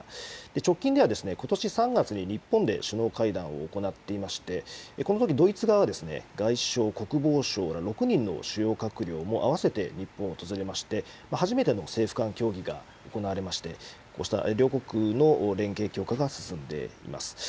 直近ではことし３月に日本で首脳会談を行っていまして、このときドイツ側は外相、国防相ら６人の主要閣僚もあわせて日本を訪れまして、初めての政府間協議が行われまして、こうした両国の連携強化が進んでいます。